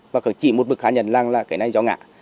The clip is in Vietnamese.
và chỉ một bực khá nhận là cái này do ngạ